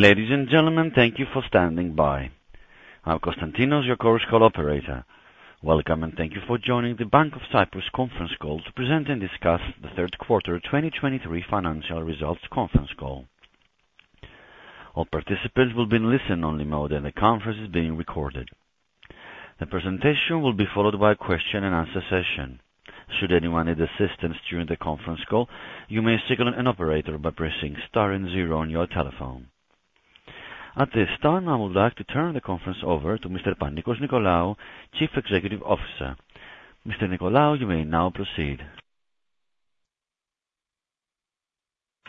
Ladies and gentlemen, thank you for standing by. I'm Constantinos, your Chorus Call operator. Welcome, and thank you for joining the Bank of Cyprus conference call to present and discuss the third quarter 2023 financial results conference call. All participants will be in listen-only mode, and the conference is being recorded. The presentation will be followed by a question-and-answer session. Should anyone need assistance during the conference call, you may signal an operator by pressing star and zero on your telephone. At this time, I would like to turn the conference over to Mr. Panicos Nicolaou, Chief Executive Officer. Mr. Nicolaou, you may now proceed.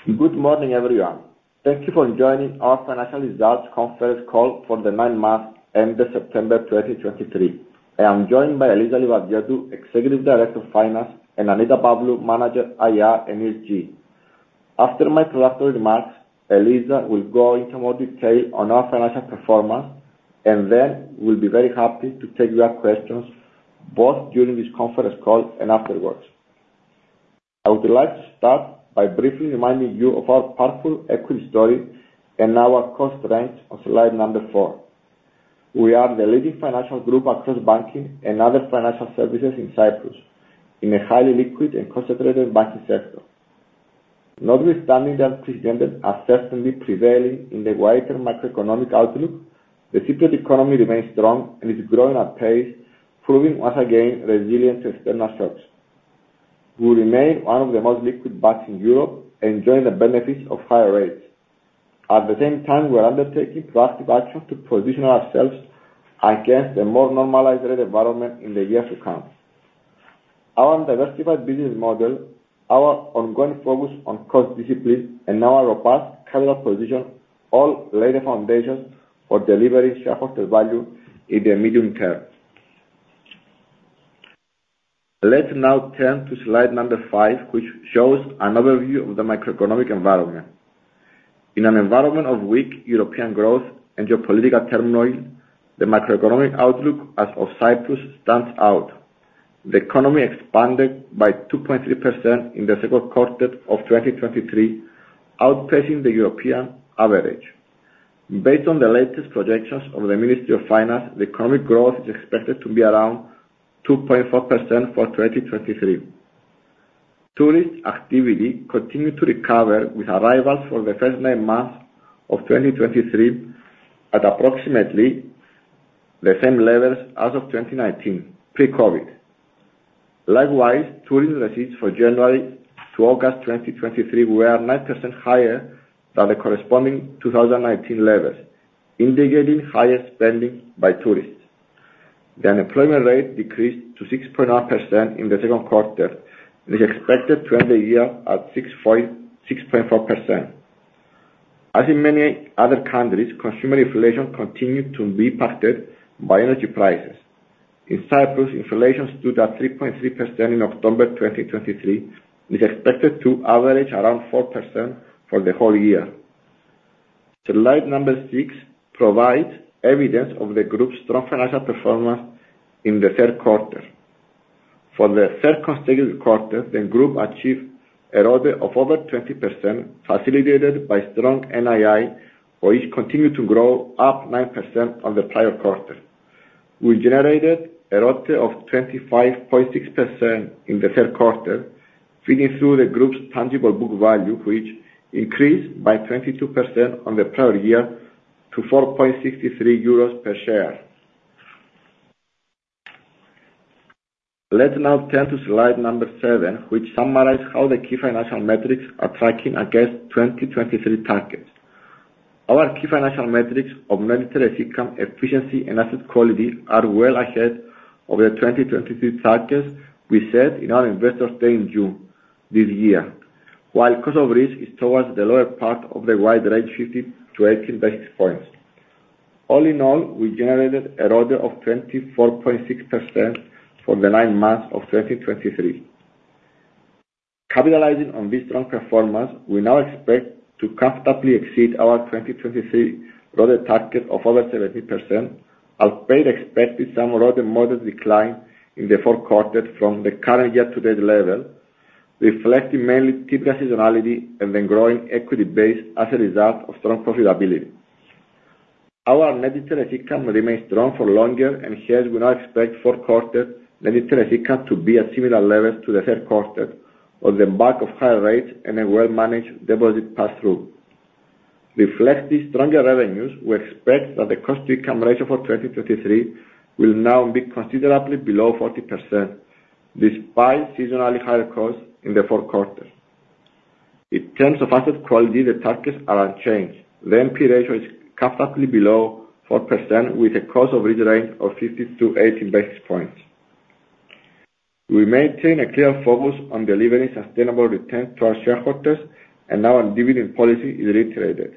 Good morning, everyone. Thank you for joining our financial results conference call for the nine months ended September 2023. I am joined by Eliza Livadiotou, Executive Director of Finance, and Annita Pavlou, Manager, IR and ESG. After my introductory remarks, Eliza will go into more detail on our financial performance, and then we'll be very happy to take your questions, both during this conference call and afterwards. I would like to start by briefly reminding you of our powerful equity story and our cost range on slide Number 4. We are the leading financial group across banking and other financial services in Cyprus, in a highly liquid and concentrated banking sector. Notwithstanding the unprecedented uncertainty prevailing in the wider macroeconomic outlook, the Cypriot economy remains strong and is growing at pace, proving once again resilient to external shocks. We remain one of the most liquid banks in Europe, enjoying the benefits of higher rates. At the same time, we are undertaking drastic action to position ourselves against a more normalized rate environment in the years to come. Our diversified business model, our ongoing focus on cost discipline, and our robust capital position all lay the foundation for delivering shareholder value in the medium term. Let's now turn to slide Number 5, which shows an overview of the macroeconomic environment. In an environment of weak European growth and geopolitical turmoil, the macroeconomic outlook as of Cyprus stands out. The economy expanded by 2.3% in the second quarter of 2023, outpacing the European average. Based on the latest projections of the Ministry of Finance, the economic growth is expected to be around 2.4% for 2023. Tourist activity continued to recover, with arrivals for the first nine months of 2023 at approximately the same levels as of 2019, pre-COVID. Likewise, tourism receipts for January to August 2023 were 9% higher than the corresponding 2019 levels, indicating higher spending by tourists. The unemployment rate decreased to 6.9% in the second quarter and is expected to end the year at 6.4%. As in many other countries, consumer inflation continued to be impacted by energy prices. In Cyprus, inflation stood at 3.3% in October 2023, and is expected to average around 4% for the whole year. So slide number 6 provides evidence of the group's strong financial performance in the third quarter. For the third consecutive quarter, the group achieved a ROE of over 20%, facilitated by strong NII, which continued to grow up 9% on the prior quarter. We generated a ROTE of 25.6% in the third quarter, feeding through the group's tangible book value, which increased by 22% on the prior year to 40.63 euros per share. Let's now turn to slide Number 7, which summarizes how the key financial metrics are tracking against 2023 targets. Our key financial metrics of net interest income, efficiency, and asset quality are well ahead of the 2023 targets we set in our Investor Day in June this year. While cost of risk is towards the lower part of the wide range, 50-80 basis points. All in all, we generated a ROE of 24.6% for the nine months of 2023. Capitalizing on this strong performance, we now expect to comfortably exceed our 2023 ROE target of over 17%, albeit expecting some rather modest decline in the fourth quarter from the current year to date level, reflecting mainly seasonality and the growing equity base as a result of strong profitability. Our net interest income remains strong for longer, and hence we now expect fourth quarter net interest income to be at similar levels to the third quarter on the back of high rates and a well-managed deposit pass-through. Reflecting stronger revenues, we expect that the cost-to-income ratio for 2023 will now be considerably below 40%, despite seasonally higher costs in the fourth quarter. In terms of asset quality, the targets are unchanged. The NPE ratio is comfortably below 4%, with a cost of risk range of 50-80 basis points. We maintain a clear focus on delivering sustainable returns to our shareholders, and our dividend policy is reiterated.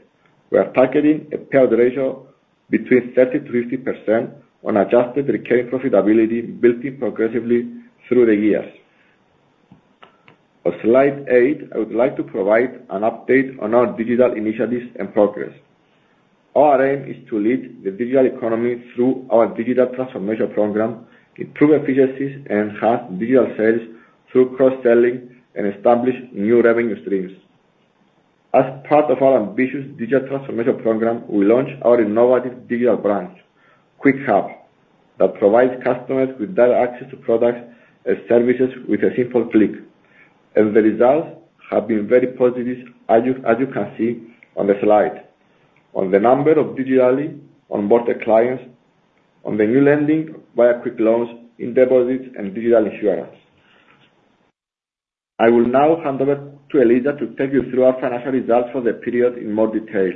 We are targeting a payout ratio between 30%-50% on adjusted recurring profitability, building progressively through the years. On Slide 8, I would like to provide an update on our digital initiatives and progress. Our aim is to lead the digital economy through our digital transformation program, improve efficiencies, and enhance digital sales through cross-selling and establish new revenue streams. As part of our ambitious digital transformation program, we launched our innovative digital branch, QuickHub, that provides customers with direct access to products and services with a simple click. The results have been very positive, as you, as you can see on the slide, on the number of digitally onboarded clients, on the new lending via Quick Loans, in deposits, and digital insurance. I will now hand over to Eliza to take you through our financial results for the period in more detail.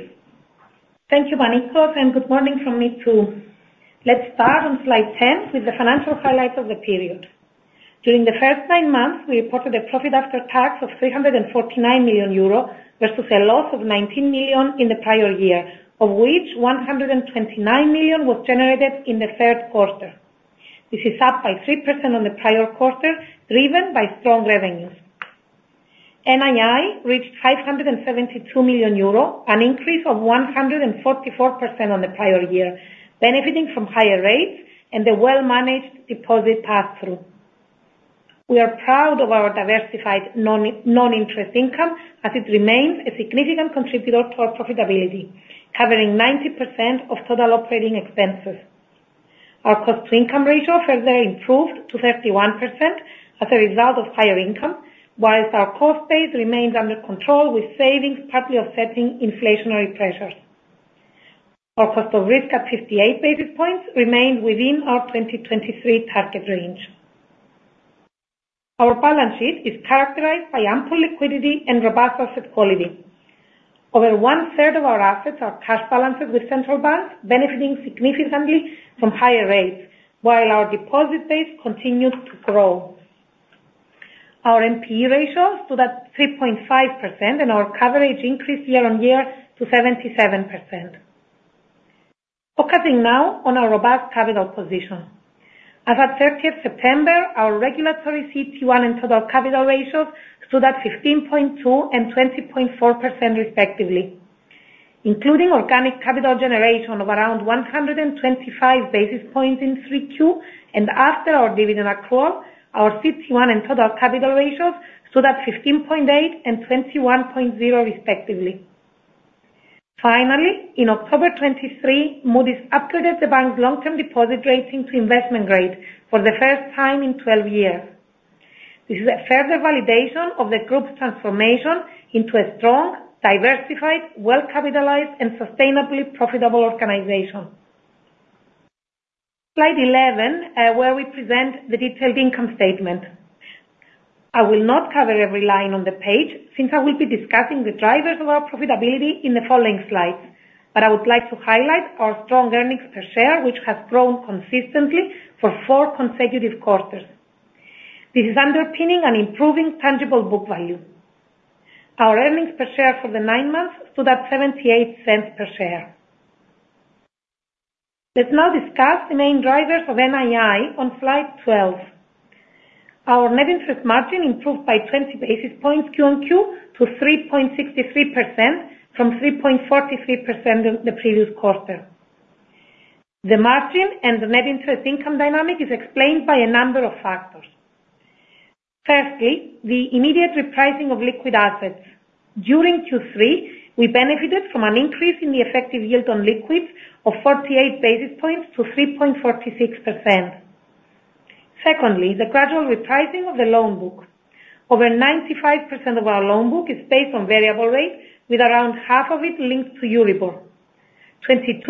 Thank you, Panicos, and good morning from me, too. Let's start on Slide 10 with the financial highlights of the period. During the first nine months, we reported a profit after tax of 349 million euro, versus a loss of 19 million in the prior year, of which 129 million was generated in the third quarter. This is up by 3% on the prior quarter, driven by strong revenues. NII reached 572 million euro, an increase of 144% on the prior year, benefiting from higher rates and the well-managed deposit pass-through. We are proud of our diversified non-interest income, as it remains a significant contributor to our profitability, covering 90% of total operating expenses. Our cost-to-income ratio further improved to 31% as a result of higher income, while our cost base remains under control, with savings partly offsetting inflationary pressures. Our cost of risk, at 58 basis points, remained within our 2023 target range. Our balance sheet is characterized by ample liquidity and robust asset quality. Over 1/3 of our assets are cash balances with central banks, benefiting significantly from higher rates, while our deposit base continues to grow. Our NPE ratios stood at 3.5%, and our coverage increased year-on-year to 77%. Focusing now on our robust capital position. As at 30th September, our regulatory CET1 and total capital ratios stood at 15.2% and 20.4%, respectively. Including organic capital generation of around 125 basis points in 3Q, and after our dividend accrual, our CET1 and total capital ratios stood at 15.8 and 21.0, respectively. Finally, in October 2023, Moody's upgraded the bank's long-term deposit rating to investment grade for the first time in 12 years. This is a further validation of the group's transformation into a strong, diversified, well-capitalized, and sustainably profitable organization. Slide 11, where we present the detailed income statement. I will not cover every line on the page, since I will be discussing the drivers of our profitability in the following slides. But I would like to highlight our strong earnings per share, which has grown consistently for four consecutive quarters. This is underpinning an improving tangible book value. Our earnings per share for the nine months stood at 0.78 per share. Let's now discuss the main drivers of NII on Slide 12. Our net interest margin improved by 20 basis points Q-on-Q to 3.63% from 3.43% in the previous quarter. The margin and the net interest income dynamic is explained by a number of factors. Firstly, the immediate repricing of liquid assets. During Q3, we benefited from an increase in the effective yield on liquids of 48 basis points to 3.46%. Secondly, the gradual repricing of the loan book. Over 95% of our loan book is based on variable rates, with around half of it linked to Euribor. 22%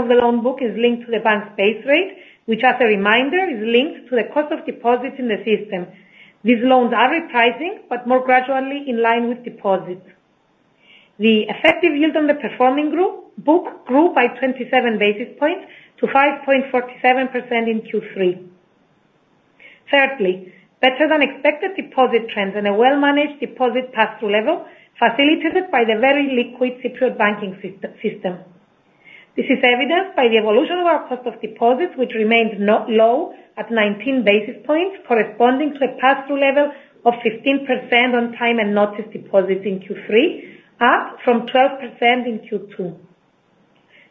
of the loan book is linked to the bank's base rate, which, as a reminder, is linked to the cost of deposits in the system. These loans are repricing, but more gradually in line with deposits. The effective yield on the performing group book grew by 27 basis points to 5.47% in Q3. Thirdly, better-than-expected deposit trends and a well-managed deposit pass-through level, facilitated by the very liquid Cypriot banking system. This is evidenced by the evolution of our cost of deposits, which remained not low at 19 basis points, corresponding to a pass-through level of 15% on time and notice deposits in Q3, up from 12% in Q2.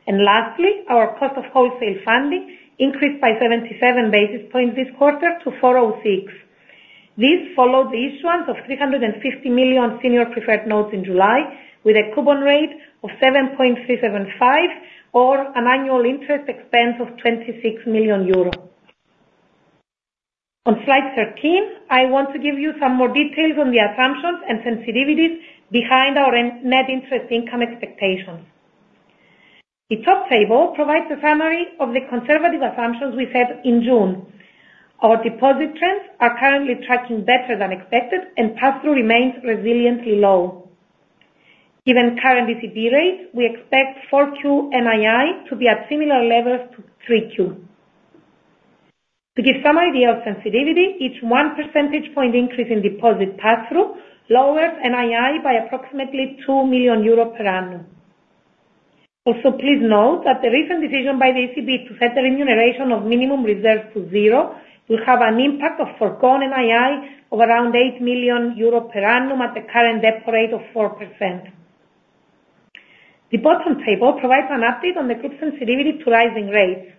And lastly, our cost of wholesale funding increased by 77 basis points this quarter to 4.06. This followed the issuance of 350 million Senior Preferred Notes in July, with a coupon rate of 7.375% or an annual interest expense of 26 million euros. On Slide 13, I want to give you some more details on the assumptions and sensitivities behind our net interest income expectations. The top table provides a summary of the conservative assumptions we set in June. Our deposit trends are currently tracking better than expected, and pass-through remains resiliently low. Given current ECB rates, we expect 4Q NII to be at similar levels to 3Q. To give some idea of sensitivity, each 1 percentage point increase in deposit pass-through lowers NII by approximately 2 million euros per annum. Also, please note that the recent decision by the ECB to set the remuneration of minimum reserves to zero will have an impact of forgone NII of around 8 million euro per annum at the current deposit rate of 4%. The bottom table provides an update on the group's sensitivity to rising rates.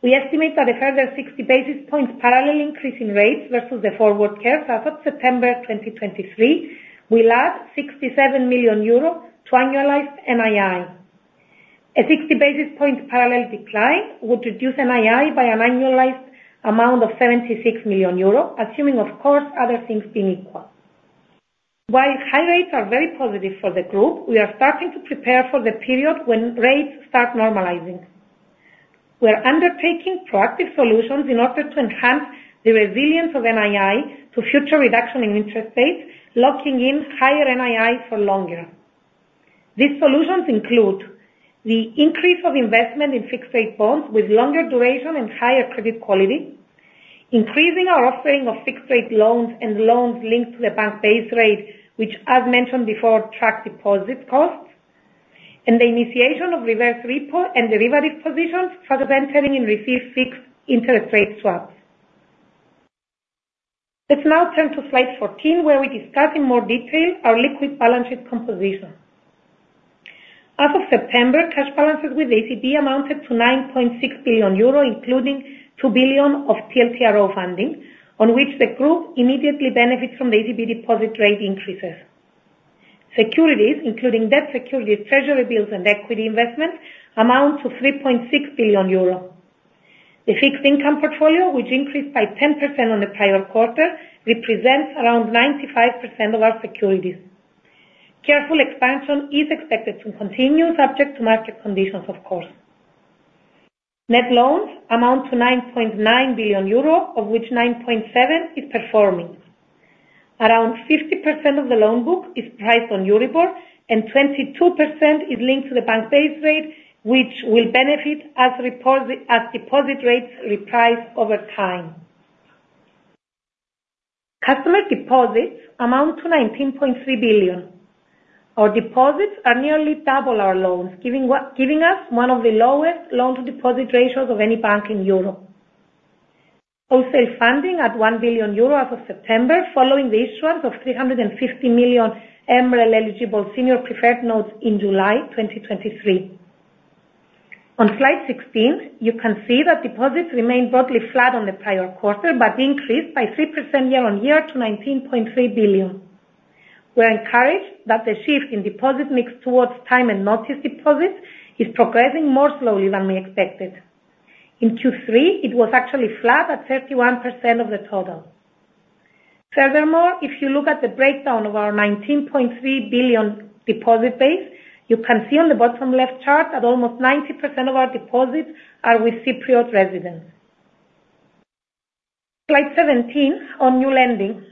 We estimate that a further 60 basis points parallel increase in rates versus the forward curve as of September 2023 will add 67 million euro to annualized NII. A 60 basis point parallel decline would reduce NII by an annualized amount of 76 million euros, assuming, of course, other things being equal. While high rates are very positive for the group, we are starting to prepare for the period when rates start normalizing. We are undertaking proactive solutions in order to enhance the resilience of NII to future reduction in interest rates, locking in higher NII for longer. These solutions include the increase of investment in fixed rate bonds with longer duration and higher credit quality, increasing our offering of fixed rate loans and loans linked to the bank base rate, which, as mentioned before, track deposit costs, and the initiation of reverse repo and derivative positions for the entering in receive fixed interest rate swaps. Let's now turn to Slide 14, where we discuss in more detail our liquid balance sheet composition. As of September, cash balances with ECB amounted to 9.6 billion euro, including 2 billion of TLTRO funding, on which the group immediately benefits from the ECB deposit rate increases. Securities, including debt securities, treasury bills, and equity investment, amount to 3.6 billion euro. The fixed income portfolio, which increased by 10% on the prior quarter, represents around 95% of our securities. Careful expansion is expected to continue, subject to market conditions, of course. Net loans amount to 9.9 billion euro, of which 9.7 is performing. Around 50% of the loan book is priced on EURIBOR, and 22% is linked to the bank base rate, which will benefit as deposit rates reprice over time. Customer deposits amount to 19.3 billion. Our deposits are nearly double our loans, giving us one of the lowest loan-to-deposit ratios of any bank in Europe. Wholesale funding at 1 billion euro as of September, following the issuance of 350 million MREL eligible senior preferred notes in July 2023. On Slide 16, you can see that deposits remained broadly flat on the prior quarter, but increased by 3% year-on-year to 19.3 billion. We are encouraged that the shift in deposit mix towards time and notice deposits is progressing more slowly than we expected. In Q3, it was actually flat at 31% of the total. Furthermore, if you look at the breakdown of our 19.3 billion deposit base, you can see on the bottom left chart that almost 90% of our deposits are with Cypriot residents. Slide 17 on new lending.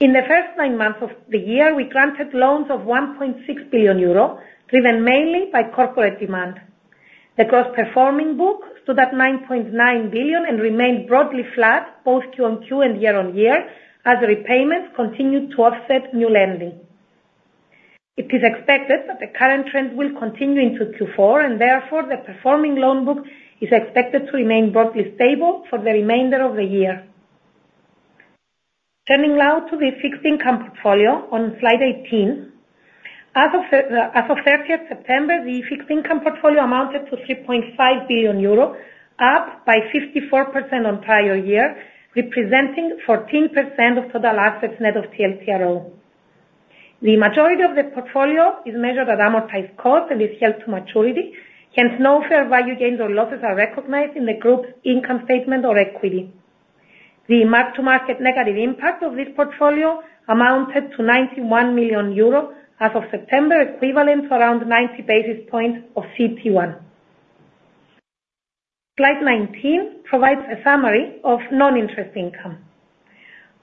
In the first nine months of the year, we granted loans of 1.6 billion euro, driven mainly by corporate demand. The gross performing book stood at 9.9 billion and remained broadly flat, both Q-on-Q and year-on-year, as repayments continued to offset new lending. It is expected that the current trend will continue into Q4, and therefore, the performing loan book is expected to remain broadly stable for the remainder of the year. Turning now to the fixed income portfolio on slide 18. As of September 30th, the fixed income portfolio amounted to 3.5 billion euro, up by 54% on prior year, representing 14% of total assets net of TLTRO. The majority of the portfolio is measured at amortized cost and is held to maturity, hence no fair value gains or losses are recognized in the group's income statement or equity. The mark-to-market negative impact of this portfolio amounted to 91 million euro as of September, equivalent to around 90 basis points of CET1. Slide 19 provides a summary of non-interest income.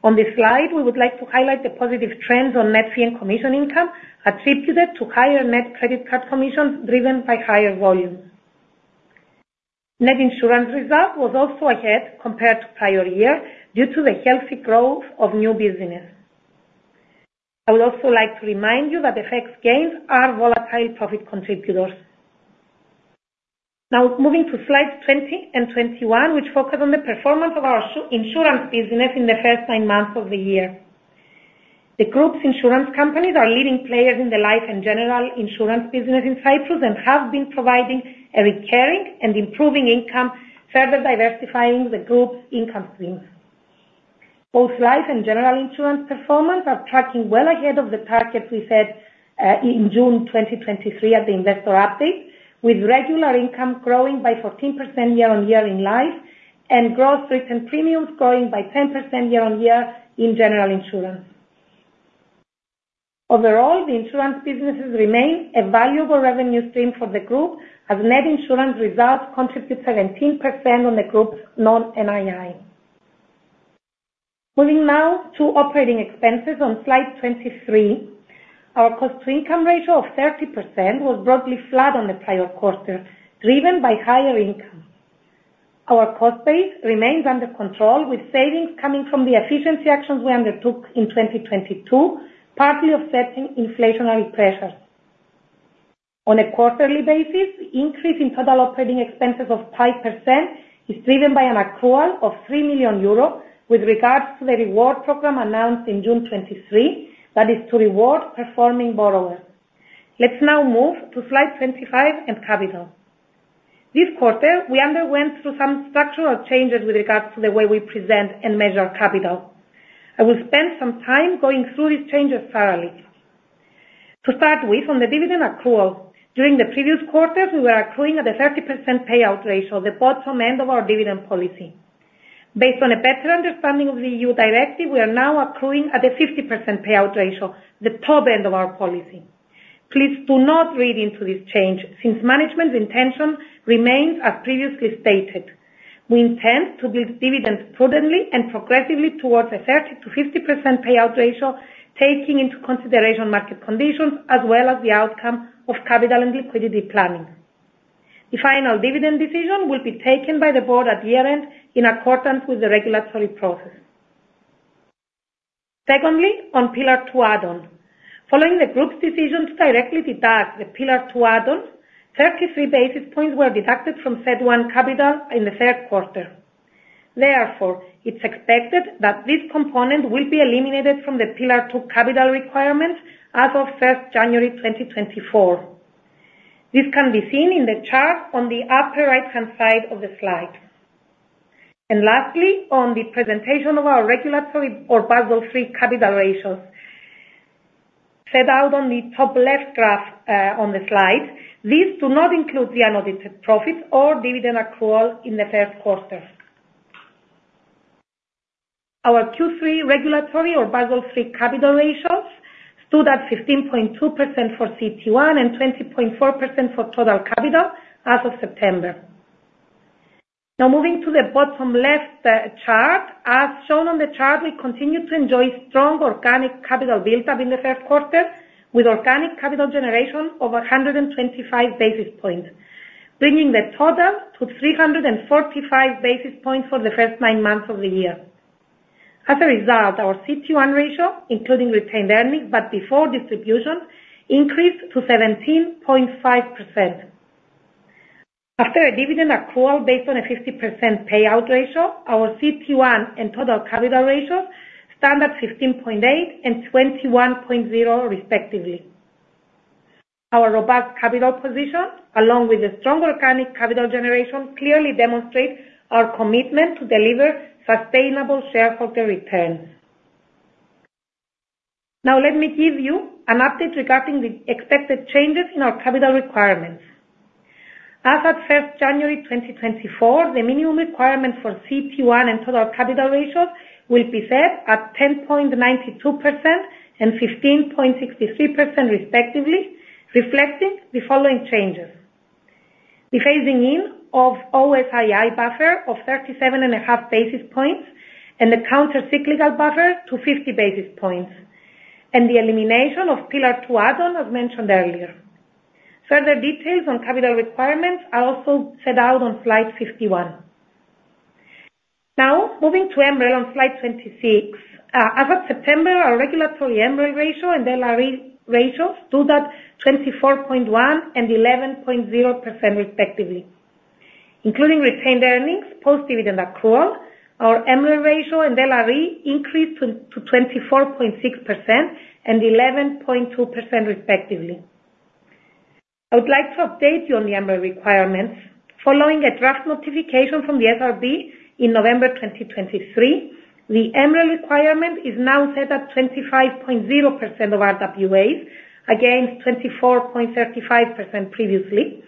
On this slide, we would like to highlight the positive trends on net fee and commission income, attributed to higher net credit card commissions driven by higher volumes. Net insurance result was also ahead compared to prior year due to the healthy growth of new business. I would also like to remind you that the FX gains are volatile profit contributors. Now, moving to Slides 20 and 21, which focus on the performance of our insurance business in the first nine months of the year. The group's insurance companies are leading players in the life and general insurance business in Cyprus and have been providing a recurring and improving income, further diversifying the group's income stream. Both life and general insurance performance are tracking well ahead of the targets we set in June 2023 at the Investor Update, with regular income growing by 14% year-on-year in life and gross written premiums growing by 10% year-on-year in general insurance. Overall, the insurance businesses remain a valuable revenue stream for the group, as net insurance results contribute 17% on the group's non-NII. Moving now to operating expenses on Slide 23. Our cost-to-income ratio of 30% was broadly flat on the prior quarter, driven by higher income. Our cost base remains under control, with savings coming from the efficiency actions we undertook in 2022, partly offsetting inflationary pressures. On a quarterly basis, increase in total operating expenses of 5% is driven by an accrual of 3 million euro with regards to the reward program announced in June 2023, that is to reward performing borrowers. Let's now move to Slide 25 and capital. This quarter, we underwent through some structural changes with regards to the way we present and measure capital. I will spend some time going through these changes thoroughly. To start with, on the dividend accrual, during the previous quarters, we were accruing at a 30% payout ratio, the bottom end of our dividend policy. Based on a better understanding of the E.U. directive, we are now accruing at a 50% payout ratio, the top end of our policy. Please do not read into this change, since management's intention remains as previously stated. We intend to build dividends prudently and progressively towards a 30%-50% payout ratio, taking into consideration market conditions as well as the outcome of capital and liquidity planning. The final dividend decision will be taken by the board at year-end, in accordance with the regulatory process. Secondly, on Pillar II add-on. Following the group's decision to directly detach the Pillar II add-on, 33 basis points were deducted from CET1 capital in the third quarter. Therefore, it's expected that this component will be eliminated from the Pillar II capital requirements as of January 1, 2024. This can be seen in the chart on the upper right-hand side of the slide. Lastly, on the presentation of our regulatory or Basel III capital ratios. Set out on the top left graph on the slide, these do not include the unaudited profits or dividend accrual in the third quarter. Our Q3 regulatory or Basel III capital ratios stood at 15.2% for CET1 and 20.4% for total capital as of September. Now, moving to the bottom left chart. As shown on the chart, we continue to enjoy strong organic capital buildup in the first quarter, with organic capital generation over 125 basis points, bringing the total to 345 basis points for the first nine months of the year. As a result, our CET1 ratio, including retained earnings, but before distribution, increased to 17.5%. After a dividend accrual based on a 50% payout ratio, our CET1 and total capital ratios stand at 15.8 and 21.0, respectively. Our robust capital position, along with the strong organic capital generation, clearly demonstrates our commitment to deliver sustainable shareholder returns. Now, let me give you an update regarding the expected changes in our capital requirements. As of January 1, 2024, the minimum requirement for CET1 and total capital ratios will be set at 10.92% and 15.63%, respectively, reflecting the following changes: The phasing in of O-SII buffer of 37.5 basis points, and the countercyclical buffer to 50 basis points, and the elimination of Pillar II add-on, as mentioned earlier. Further details on capital requirements are also set out on slide 51. Now, moving to MREL on Slide 26. As of September, our regulatory MREL ratio and LRE ratios stood at 24.1% and 11.0%, respectively. Including retained earnings, post-dividend accrual, our MREL ratio and LRE increased to 24.6% and 11.2%, respectively. I would like to update you on the MREL requirements. Following a draft notification from the SRB in November 2023, the MREL requirement is now set at 25.0% of RWAs, against 24.35% previously,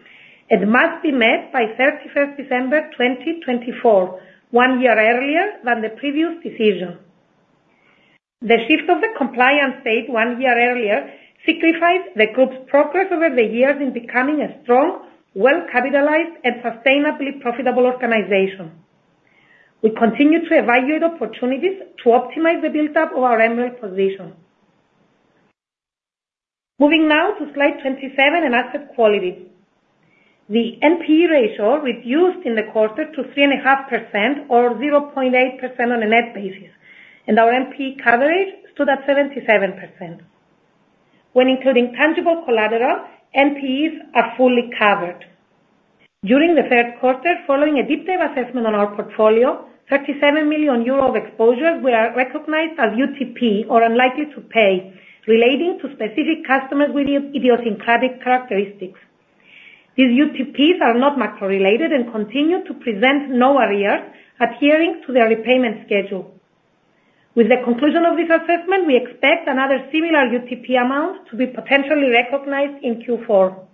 and must be met by December 31, 2024, one year earlier than the previous decision. The shift of the compliance date one year earlier signifies the group's progress over the years in becoming a strong, well-capitalized, and sustainably profitable organization. We continue to evaluate opportunities to optimize the build-up of our MREL position. Moving now to Slide 27 and asset quality. The NPE ratio reduced in the quarter to 3.5% or 0.8% on a net basis, and our NPE coverage stood at 77%. When including tangible collateral, NPEs are fully covered. During the third quarter, following a deep dive assessment on our portfolio, 37 million euro of exposures were recognized as UTP, or unlikely to pay, relating to specific customers with idiosyncratic characteristics. These UTPs are not macro-related and continue to present no arrears adhering to their repayment schedule. With the conclusion of this assessment, we expect another similar UTP amount to be potentially recognized in Q4.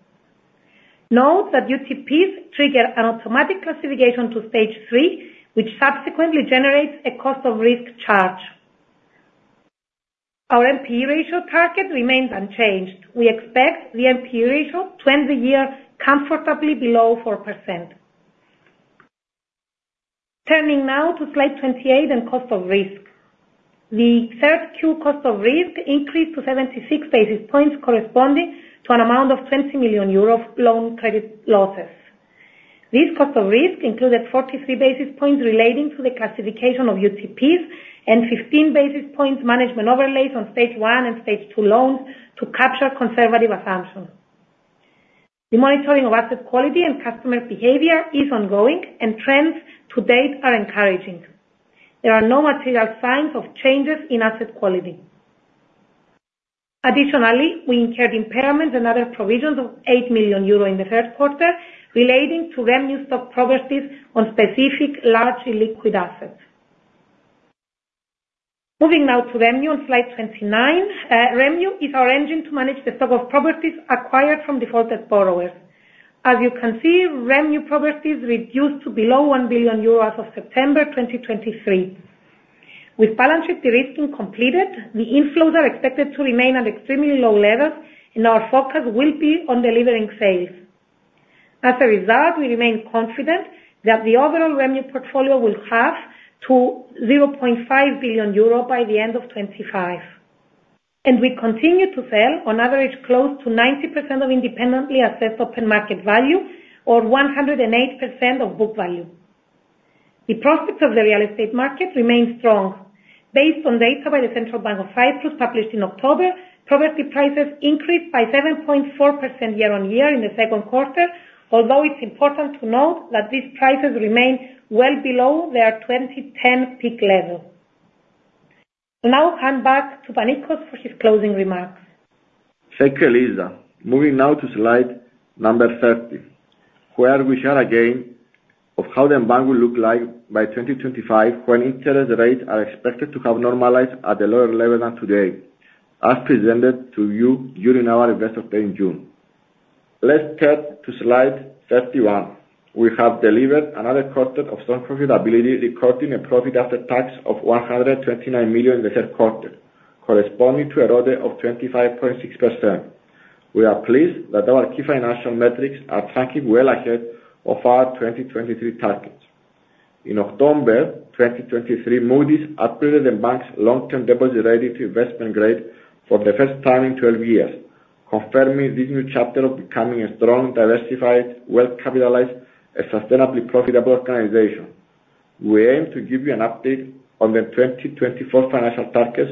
Note that UTPs trigger an automatic classification to phase three, which subsequently generates a cost of risk charge. Our NPE ratio target remains unchanged. We expect the NPE ratio to end the year comfortably below 4%. Turning now to Slide 28 and cost of risk. The third Q cost of risk increased to 76 basis points, corresponding to an amount of 20 million euro of loan credit losses. This cost of risk included 43 basis points relating to the classification of UTPs, and 15 basis points management overlays on stage one and stage two loans to capture conservative assumption. The monitoring of asset quality and customer behavior is ongoing, and trends to date are encouraging. There are no material signs of changes in asset quality. Additionally, we incurred impairment and other provisions of 8 million euro in the third quarter, relating to REMU stock properties on specific large illiquid assets. Moving now to REMU on Slide 29. REMU is our engine to manage the stock of properties acquired from defaulted borrowers. As you can see, REMU properties reduced to below 1 billion euros as of September 2023. With balance sheet de-risking is completed, the inflows are expected to remain at extremely low levels, and our focus will be on delivering sales. As a result, we remain confident that the overall REMU portfolio will halve to 0.5 billion euro by the end of 2025, and we continue to sell on average, close to 90% of independently assessed open market value or 108% of book value. The prospects of the real estate market remain strong. Based on data by the Central Bank of Cyprus, published in October, property prices increased by 7.4% year-on-year in the second quarter, although it's important to note that these prices remain well below their 2010 peak level. Now back to Panicos for his closing remarks. Thank you, Eliza. Moving now to slide Number 30, where we share again of how the bank will look like by 2025, when interest rates are expected to have normalized at a lower level than today, as presented to you during our Investor Day in June. Let's turn to Slide 31. We have delivered another quarter of strong profitability, recording a profit after tax of 129 million in the third quarter, corresponding to a ROE of 25.6%. We are pleased that our key financial metrics are tracking well ahead of our 2023 targets. In October 2023, Moody's upgraded the bank's long-term deposit rating to investment grade for the first time in 12 years, confirming this new chapter of becoming a strong, diversified, well-capitalized, and sustainably profitable organization. We aim to give you an update on the 2024 financial targets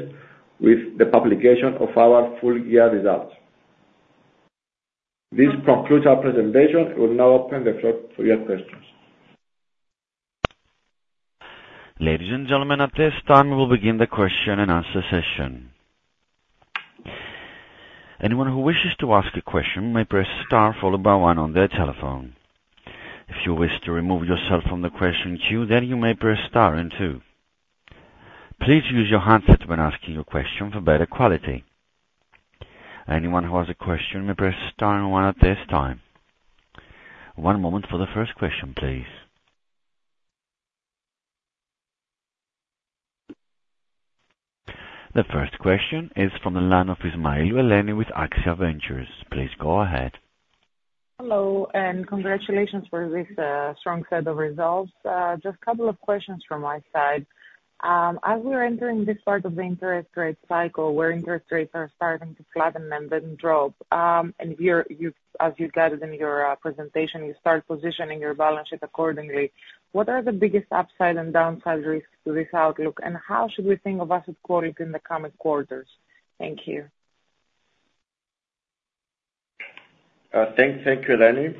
with the publication of our full year results. This concludes our presentation. We will now open the floor for your questions. Ladies and gentlemen, at this time, we will begin the question and answer session. Anyone who wishes to ask a question may press star followed by one on their telephone. If you wish to remove yourself from the question queue, then you may press star and two. Please use your handset when asking a question for better quality. Anyone who has a question may press star and one at this time. One moment for the first question, please. The first question is from the line of Eleni Ismailou with AXIA Ventures. Please go ahead. Hello, and congratulations for this strong set of results. Just a couple of questions from my side. As we are entering this part of the interest rate cycle, where interest rates are starting to flatten and then drop, and you've, as you guided in your presentation, you start positioning your balance sheet accordingly. What are the biggest upside and downside risks to this outlook, and how should we think of asset quality in the coming quarters? Thank you. Thank you, Eleni.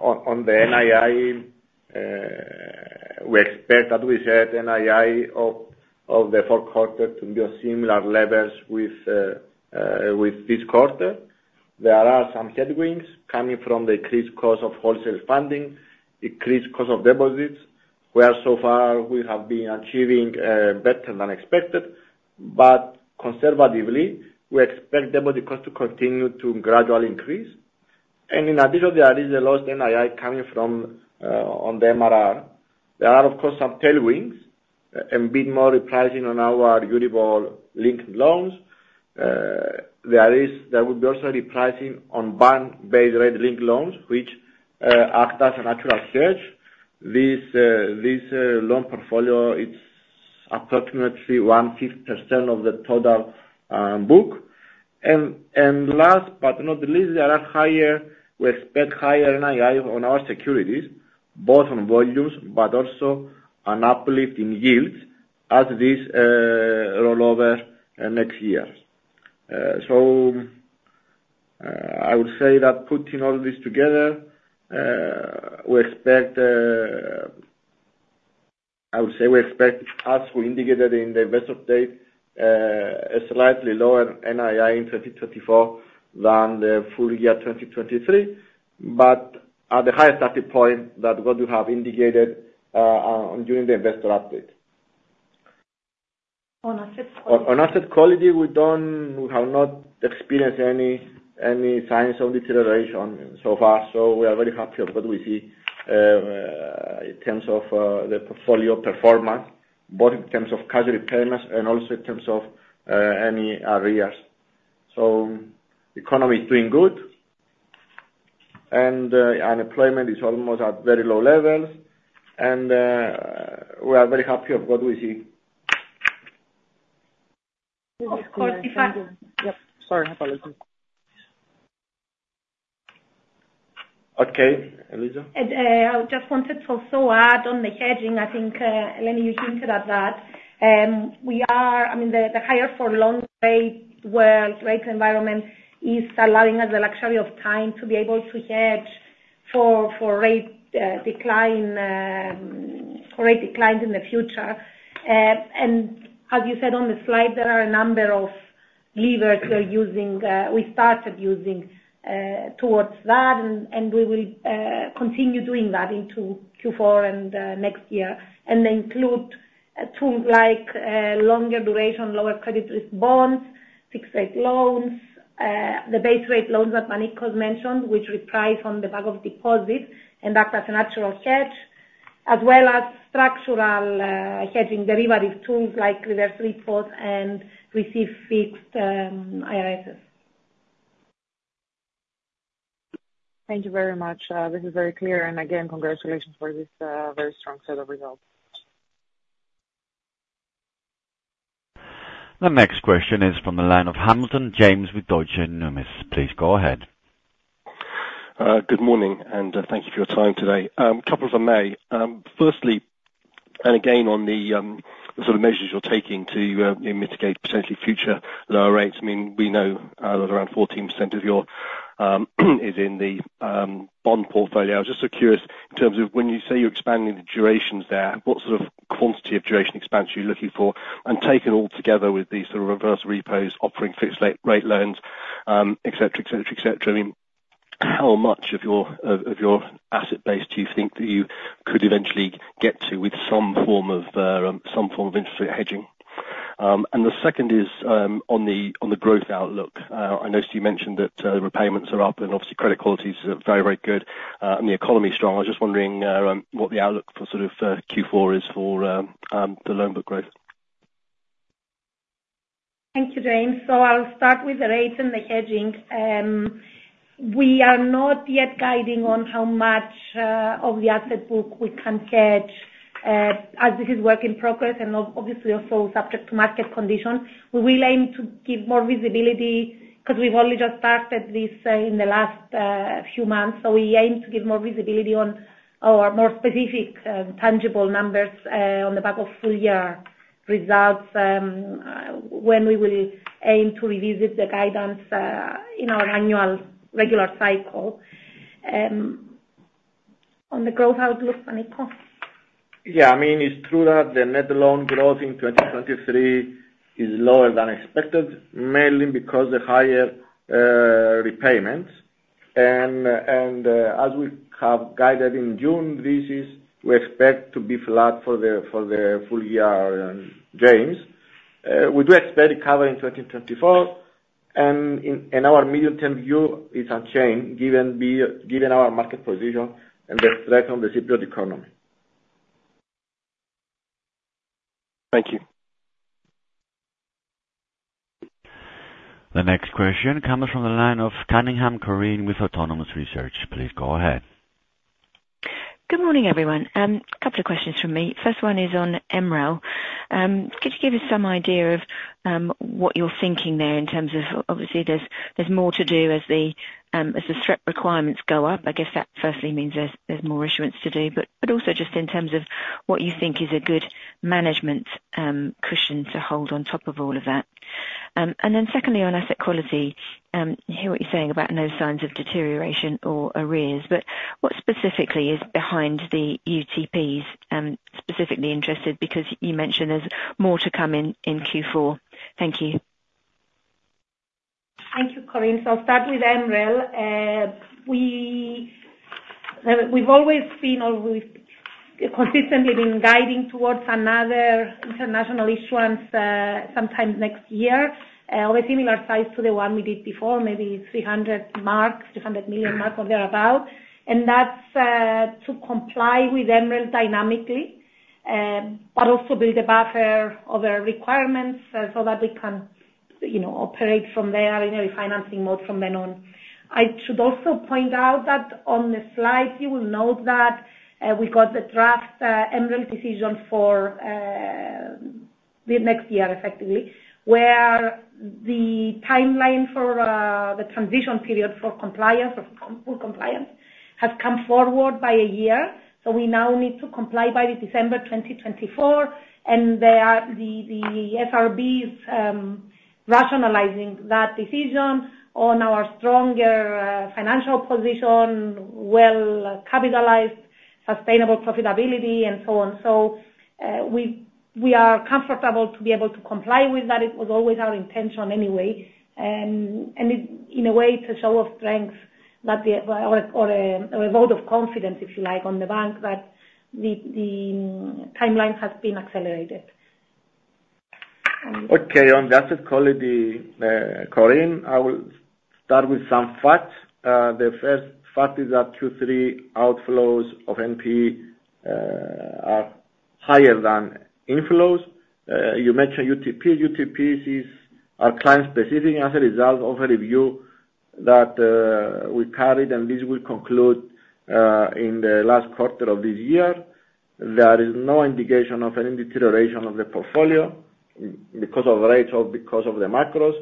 On the NII, we expect, as we said, NII of the fourth quarter to be on similar levels with this quarter. There are some headwinds coming from the increased cost of wholesale funding, increased cost of deposits, where so far we have been achieving better than expected. But conservatively, we expect deposit cost to continue to gradually increase. And in addition, there is a lost NII coming from on the MRR. There are, of course, some tailwinds and bit more repricing on our variable linked loans. There will be also repricing on bank based rate linked loans, which act as a natural hedge. This loan portfolio, it's approximately one-fifth of the total book. And, and last but not least, there are higher, we expect higher NII on our securities, both on volumes but also an uplift in yields as this, roll over, next year. So, I would say that putting all this together, we expect... I would say we expect, as we indicated in the Investor Update, a slightly lower NII in 2024 than the full year 2023, but at the highest starting point that what you have indicated, during the Investor Update. On asset quality? On asset quality, we don't, we have not experienced any, any signs of deterioration so far, so we are very happy of what we see in terms of the portfolio performance, both in terms of cash repayments and also in terms of any arrears. So economy is doing good, and unemployment is almost at very low levels, and we are very happy of what we see. Of course. Yep, sorry, apologies. Okay, Eliza? I just wanted to also add on the hedging, I think, Lenny, you hinted at that. We are, I mean, the higher-for-longer rate environment is allowing us the luxury of time to be able to hedge for rate decline in the future. And as you said on the slide, there are a number of levers we are using, we started using towards that, and we will continue doing that into Q4 and next year. And they include tools like longer duration, lower credit risk bonds, fixed rate loans, the base rate loans that Panicos has mentioned, which reprice on the back of deposits and act as a natural hedge, as well as structural hedging derivative tools like reverse repo and receive fixed IRS. Thank you very much. This is very clear, and again, congratulations for this very strong set of results. The next question is from the line of James Hamilton with Deutsche Bank. Please go ahead. Good morning, and thank you for your time today. Couple from me. Firstly, and again, on the sort of measures you're taking to mitigate potentially future lower rates, I mean, we know that around 14% of your is in the bond portfolio. I was just so curious in terms of when you say you're expanding the durations there, what sort of quantity of duration expansion are you looking for? And taken all together with these sort of reverse repos, offering fixed rate, rate loans, etc, etc, etc, I mean, how much of your, of, of your asset base do you think that you could eventually get to with some form of some form of interest rate hedging? And the second is on the growth outlook. I noticed you mentioned that, repayments are up and obviously credit quality is, very, very good, and the economy is strong. I was just wondering, what the outlook for sort of, Q4 is for, the loan book growth. Thank you, James. So I'll start with the rates and the hedging. We are not yet guiding on how much of the asset book we can hedge, as this is work in progress and obviously also subject to market conditions. We will aim to give more visibility, because we've only just started this in the last few months. So we aim to give more visibility on our more specific tangible numbers on the back of full year results, when we will aim to revisit the guidance in our annual regular cycle. On the growth outlook, Panicos? Yeah, I mean, it's true that the net loan growth in 2023 is lower than expected, mainly because the higher repayments. And, as we have guided in June, this is, we expect to be flat for the full year, James. We do expect recovery in 2024, and in our medium-term view, it's unchanged, given our market position and the strength of the Greek economy. Thank you. The next question comes from the line of Corinne Cunningham with Autonomous Research. Please go ahead. Good morning, everyone. A couple of questions from me. First one is on MREL. Could you give us some idea of what you're thinking there in terms of... Obviously, there's more to do as the SREP requirements go up. I guess that firstly means there's more issuance to do, but also just in terms of what you think is a good management cushion to hold on top of all of that. And then secondly, on asset quality, I hear what you're saying about no signs of deterioration or arrears, but what specifically is behind the UTPs? Specifically interested because you mentioned there's more to come in Q4. Thank you. Thank you, Corinne. So I'll start with MREL. We've always been or we've consistently been guiding towards another international issuance, sometime next year, of a similar size to the one we did before, maybe 300 million or thereabout. And that's to comply with MREL dynamically, but also build a buffer of our requirements, so that we can, you know, operate from there in a refinancing mode from then on. I should also point out that on the slide, you will note that we got the draft MREL decision for the next year, effectively. Where the timeline for the transition period for compliance, or full compliance, has come forward by a year. So we now need to comply by December 2024, and there are the FRBs rationalizing that decision on our stronger financial position, well-capitalized, sustainable profitability and so on. So we are comfortable to be able to comply with that. It was always our intention anyway, and in a way, it's a show of strength that the or a vote of confidence, if you like, on the bank, that the timeline has been accelerated. Okay, on asset quality, Corinne, I will start with some facts. The first fact is that Q3 outflows of NPE are higher than inflows. You mentioned UTP. UTPs is, are client-specific as a result of a review that we carried, and this will conclude in the last quarter of this year. There is no indication of any deterioration of the portfolio, because of rates or because of the macros.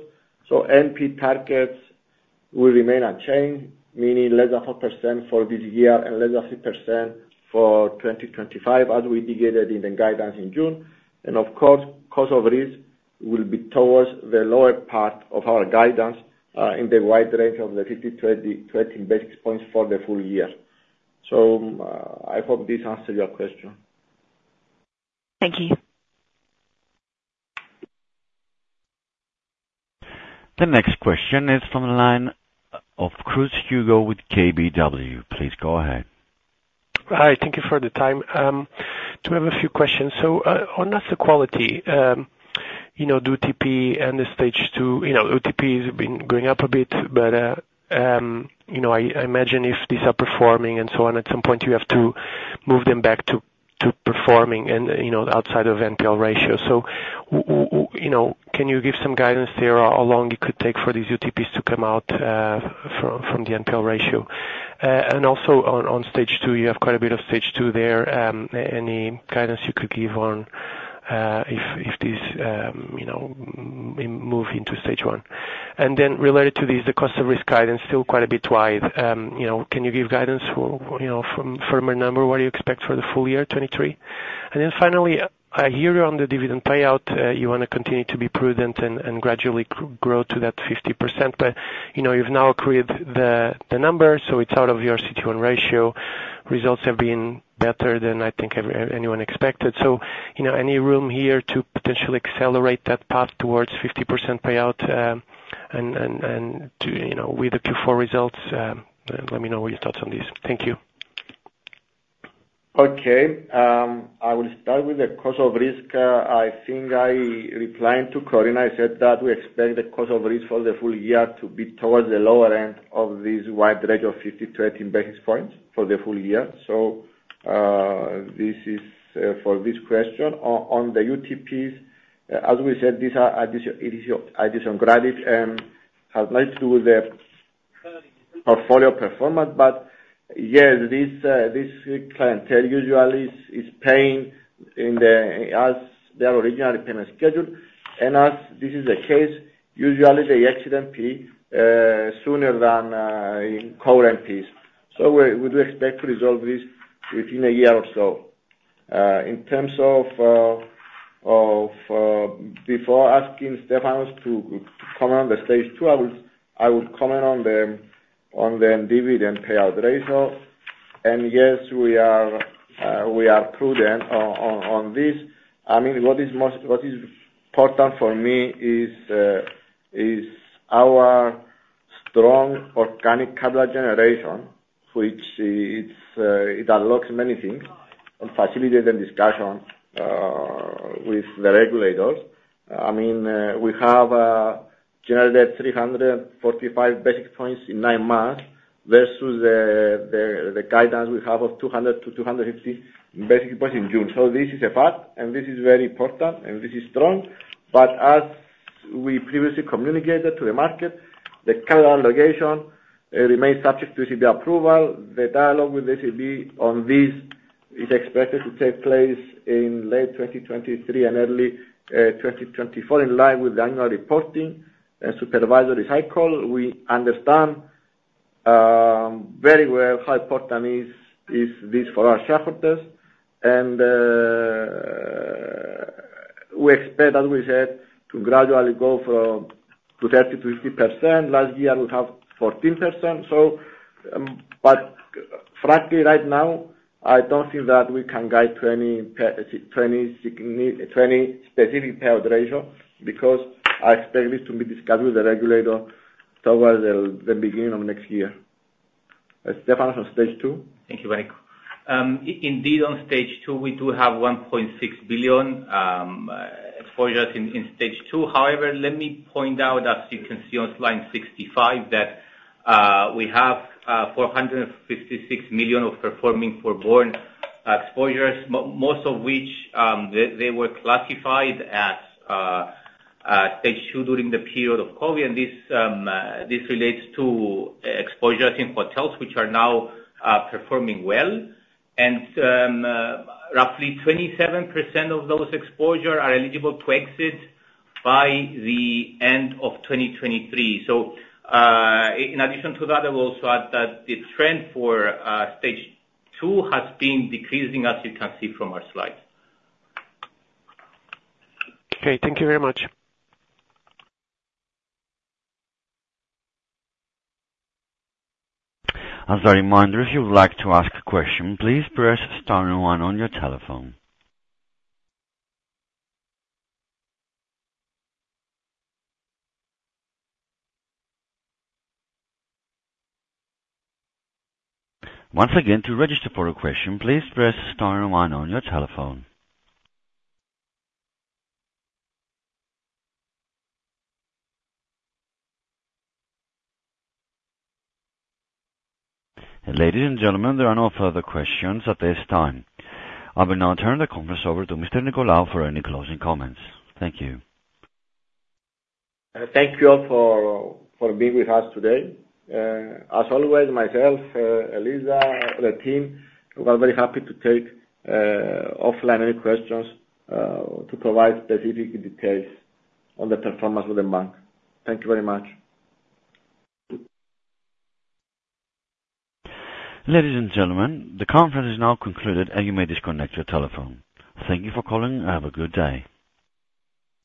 So NP targets will remain unchanged, meaning less than 4% for this year and less than 6% for 2025, as we indicated in the guidance in June. And of course, cost of risk will be towards the lower part of our guidance in the wide range of the 50-80 basis points for the full year. So, I hope this answered your question. Thank you. The next question is from the line of Hugo Cruz with KBW. Please go ahead. Hi, thank you for the time. Do have a few questions. So, on asset quality, you know, the UTP and the stage two, you know, UTP has been going up a bit, but, you know, I imagine if these are performing and so on, at some point you have to move them back to performing and, you know, outside of NPL ratio. So you know, can you give some guidance there, on how long it could take for these UTPs to come out from the NPL ratio? And also on stage two, you have quite a bit of stage two there. Any guidance you could give on if this you know move into stage one? And then related to this, the cost of risk guidance, still quite a bit wide. You know, can you give guidance for, you know, firmer number? What do you expect for the full year, 2023? And then finally, I hear you on the dividend payout, you wanna continue to be prudent and, and gradually grow to that 50%. But, you know, you've now created the numbers, so it's out of your CET1 ratio. Results have been better than I think anyone expected. So, you know, any room here to potentially accelerate that path towards 50% payout, and, and to, you know, with the Q4 results, let me know your thoughts on this. Thank you. Okay, I will start with the cost of risk. I think I replied to Corinne, I said that we expect the cost of risk for the full year to be towards the lower end of this wide range of 50-80 basis points for the full year. So, this is for this question. On the UTPs, as we said, these are additional, it is additional credit, has nothing to do with the portfolio performance. But yes, this clientele usually is paying as their original payment schedule. And as this is the case, usually they actually pay sooner than current pace. So we do expect to resolve this within a year or so. In terms of, before asking Stefanos to comment on the stage two, I would comment on the dividend payout ratio. And yes, we are prudent on this. I mean, what is most important for me is our strong organic capital generation, which unlocks many things, and facilitate the discussion with the regulators. I mean, we have generated 345 basis points in nine months versus the guidance we have of 200-250 basis points in June. So this is a fact, and this is very important, and this is strong. But as we previously communicated to the market, the capital allocation remains subject to ECB approval. The dialogue with ECB on this is expected to take place in late 2023 and early 2024, in line with the annual reporting and supervisory cycle. We understand very well how important is, is this for our shareholders. We expect, as we said, to gradually go from to 30%-50%. Last year, we had 14%, so, but frankly, right now, I don't think that we can guide to any specific payout ratio, because I expect this to be discussed with the regulator towards the, the beginning of next year. Stefanos, on stage two? Thank you very much. Indeed, on stage two, we do have 1.6 billion for us in stage two. However, let me point out, as you can see on Slide 65, that we have 456 million of performing forborne exposures, most of which they were classified as stage two during the period of COVID. And this relates to exposures in hotels, which are now performing well. And roughly 27% of those exposure are eligible to exit by the end of 2023. So, in addition to that, I will also add that the trend for stage two has been decreasing, as you can see from our slides. Okay, thank you very much. As a reminder, if you would like to ask a question, please press star one on your telephone. Once again, to register for a question, please press star one on your telephone. Ladies and gentlemen, there are no further questions at this time. I will now turn the conference over to Mr. Nicolaou for any closing comments. Thank you. Thank you all for being with us today. As always, myself, Eliza, the team, we are very happy to take offline any questions, to provide specific details on the performance of the bank. Thank you very much. Ladies and gentlemen, the conference is now concluded, and you may disconnect your telephone. Thank you for calling, and have a good day.